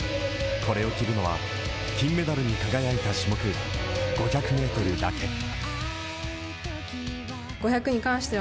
これを着るのは金メダルに輝いた種目、５００ｍだけ。